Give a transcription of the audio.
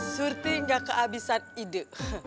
surti gak kehabisan ide